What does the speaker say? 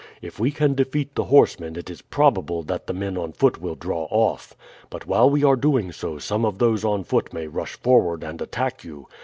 If we can defeat the horsemen it is probable that the men on foot will draw off. But while we are doing so some of those on foot may rush forward and attack you.